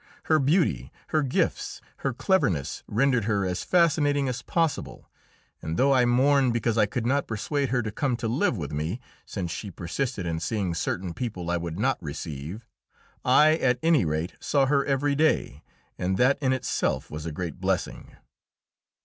Her beauty, her gifts, her cleverness rendered her as fascinating as possible, and, though I mourned because I could not persuade her to come to live with me, since she persisted in seeing certain people I would not receive, I at any rate saw her every day, and that in itself was a great blessing.